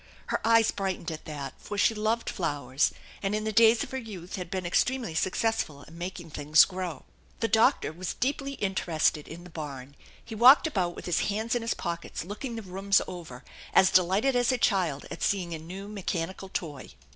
Her eyes brightened at that, for she loved flowers, and in the days of her youth had been extremely successful at making things grow. The doctor was deeply interest in the barn. He walked about with his hands in his pockets, looking the rooms over, as delighted as a child at seeing a new mechanical toy.